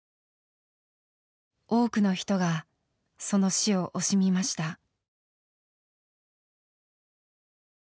多くの人がその死を惜しみました。